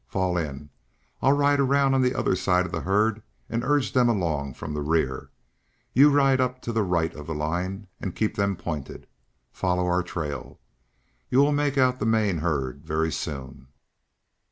Fall in. I'll ride around on the other side of the herd, and urge them along from the rear. You ride up to the right of the line and keep them pointed. Follow our trail. You will make out the main herd very soon."